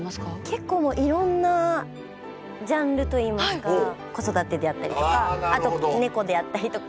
結構いろんなジャンルといいますか子育てであったりとかあと猫であったりとか。